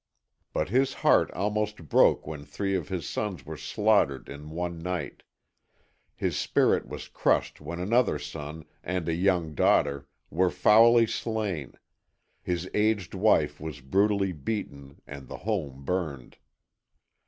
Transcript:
But his heart almost broke when three of his sons were slaughtered in one night; his spirit was crushed when another son and a young daughter were foully slain, his aged wife was brutally beaten and the home burned.